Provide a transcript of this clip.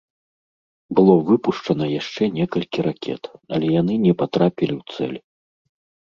Было выпушчана яшчэ некалькі ракет, але яны не патрапілі ў цэль.